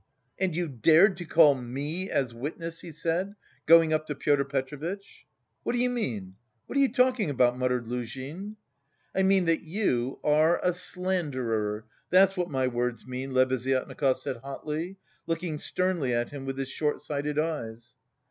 "And you dared to call me as witness?" he said, going up to Pyotr Petrovitch. "What do you mean? What are you talking about?" muttered Luzhin. "I mean that you... are a slanderer, that's what my words mean!" Lebeziatnikov said hotly, looking sternly at him with his short sighted eyes.